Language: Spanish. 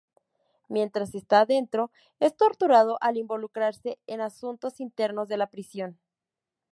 Mientras está adentro, es torturado al involucrarse en asuntos internos de la prisión.